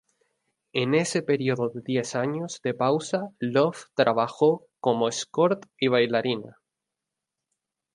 En ese período de diez años de pausa, Love trabajó como escort y bailarina.